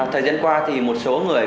thời gian qua thì một số người